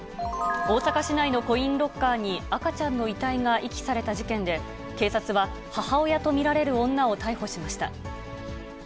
大阪市内のコインロッカーに、赤ちゃんの遺体が遺棄された事件で、警察は母親と見られる女を逮捕しました。